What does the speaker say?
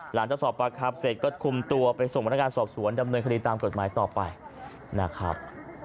หลังจากสอบปากคำเสร็จก็คุมตัวไปส่งพนักงานสอบสวนดำเนินคดีตามกฎหมายต่อไปนะครับ